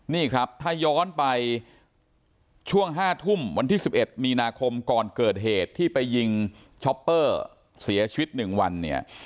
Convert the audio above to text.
นี่ครับถ้าย้อนไปช่วง๕ทุ่มวันที่๑๑มีนาคมก่อนเกิดเหตุที่ไปยิงช็อปเปอร์เสียชีวิต๑วันเนี่ย